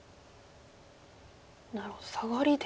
なるほどサガリで。